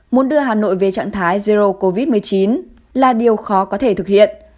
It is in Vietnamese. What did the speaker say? muốn đưa hà nội về trạng thái zero covid một mươi chín là điều khó có thể thực hiện